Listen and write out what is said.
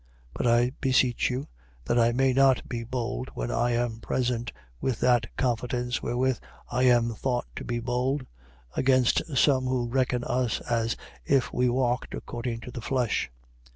10:2. But I beseech you, that I may not be bold when I am present with that confidence wherewith I am thought to be bold, against some who reckon us as if we walked according to the flesh.